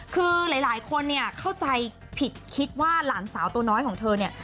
คือหลายคนเนี่ยเข้าใจผิดคิดว่าหลานสาวตัวน้อยของเธอเนี่ย